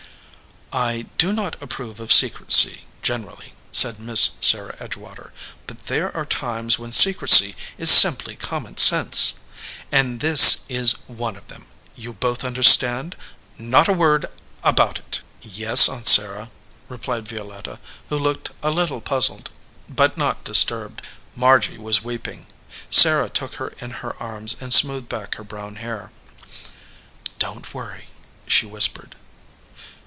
"I do not approve of secrecy, generally," said Miss Sarah Edgewater, "but there are times when secrecy is simply common sense, and this is one of 43 EDGEWATER PEOPLE them. You both understand? Not a word about it!" "Yes, Aunt Sarah," replied Violetta, who looked a little puzzled but not disturbed. Margy was weeping. Sarah took her in her arms and smoothed back her brown hair. "Don t worry," she whispered.